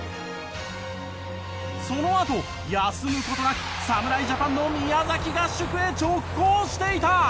そのあと休む事なく侍ジャパンの宮崎合宿へ直行していた！